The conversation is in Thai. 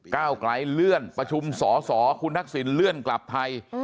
ก้าวไกลเลื่อนประชุมสอสอคุณทักษิณเลื่อนกลับไทย